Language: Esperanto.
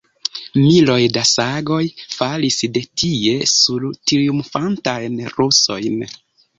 Miloj da sagoj falis de tie sur la triumfantajn rusojn!